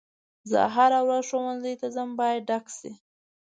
زه هره ورځ ښوونځي ته ځم باید ډک شي.